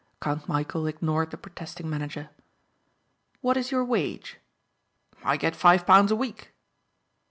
Count Michæl ignored the protesting manager. "What is your wage?" "I get five pound a week."